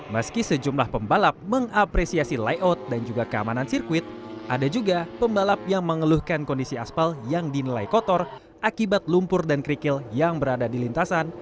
meski sejumlah pembalap mengapresiasi layout dan juga keamanan sirkuit ada juga pembalap yang mengeluhkan kondisi aspal yang dinilai kotor akibat lumpur dan kerikil yang berada di lintasan